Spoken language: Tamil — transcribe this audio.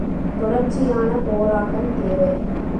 தொடர்ச்சியான போராட்டம் தேவை.